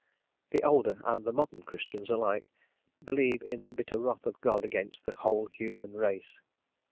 The older and the modern Christians alike believe in the bitter wrath of God against "the whole human race."